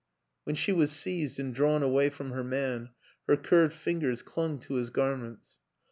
... When she was seized and drawn away from her man, her curved fingers clung to his garments.